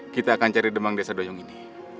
kita akan cari demang desa doyong ini